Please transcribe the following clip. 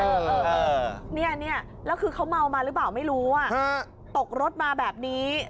เออเนี่ยแล้วคือเขาเมามาหรือเปล่าไม่รู้อ่ะตกรถมาแบบนี้